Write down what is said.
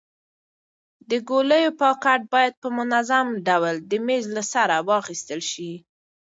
د ګولیو پاکټ باید په منظم ډول د میز له سره واخیستل شي.